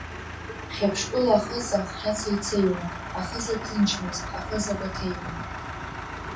Хьаԥштәыла ахыза аххьа цеицеиуан, ахыза ҭынчмызт, ахыза гәаҭеиуан.